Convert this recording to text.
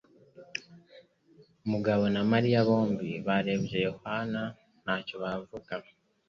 Mugabo na Mariya bombi barebye Yohana ntacyo bavuga.